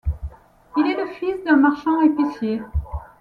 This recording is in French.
Il est le fils d'un marchand-épicier.